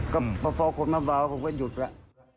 ก็พอคนมาเบาผมก็หยุดแล้ว